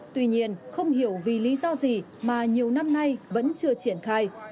tuy nhiên không hiểu vì lý do gì mà nhiều năm nay vẫn chưa triển khai